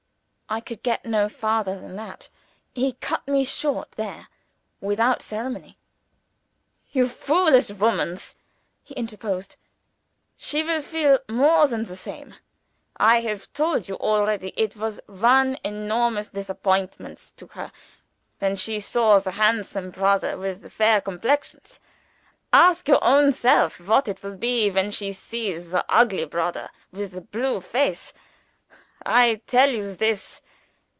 I could get no farther than that. He cut me short there, without ceremony. "You foolish womans!" he interposed, "she will feel more than the same. I have told you already it was one enormous disappointments to her when she saw the handsome brodder with the fair complexions. Ask your own self what it will be when she sees the ugly brodder with the blue face. I tell you this!